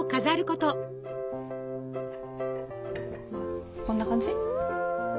こんな感じ？